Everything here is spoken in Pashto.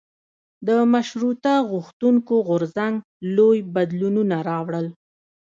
د مشروطه غوښتونکو غورځنګ لوی بدلونونه راوړل.